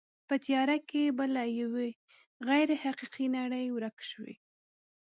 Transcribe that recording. په تیاره کې به له یوې غیر حقیقي نړۍ ورک شوې.